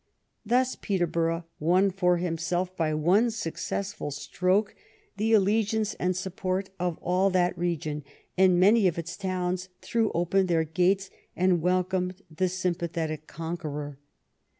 Thus Peterborough won for himself by one successful stroke the allegiance and support of all that region, and many of its towns threw open their gates and welcomed the sympathetic conqueror.